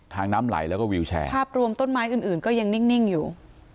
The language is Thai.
น้ำไหลแล้วก็วิวแชร์ภาพรวมต้นไม้อื่นอื่นก็ยังนิ่งอยู่